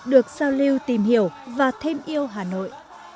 được giao lưu tìm hiểu và thêm yêu hà nội